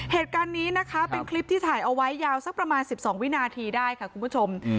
เหตุการณ์นี้นะคะเป็นคลิปที่ถ่ายเอาไว้ยาวสักประมาณ๑๒วินาทีได้ค่ะคุณผู้ชม